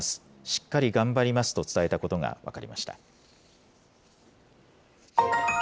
しっかり頑張りますと伝えたことが分かりました。